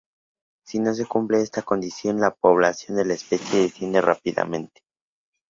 Si no se cumple esta condición, la población de la especie desciende rápidamente.